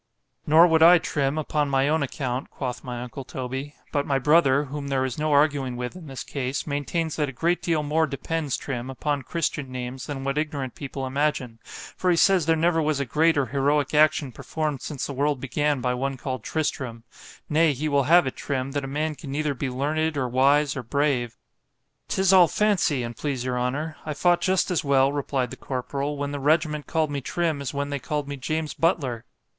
——Nor would I, Trim, upon my own account, quoth my uncle Toby——but my brother, whom there is no arguing with in this case—maintains that a great deal more depends, Trim, upon christian names, than what ignorant people imagine——for he says there never was a great or heroic action performed since the world began by one called Tristram—nay, he will have it, Trim, that a man can neither be learned, or wise, or brave.——'Tis all fancy, an' please your honour—I fought just as well, replied the corporal, when the regiment called me Trim, as when they called me _James Butler.